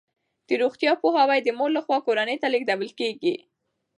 د روغتیا پوهاوی د مور لخوا کورنۍ ته لیږدول کیږي.